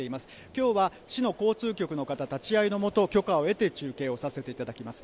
きょうは市の交通局の方立ち会いの下、許可を得て中継をさせていただきます。